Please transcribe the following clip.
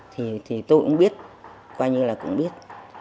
thì tôi cũng biết coi như là cũng biết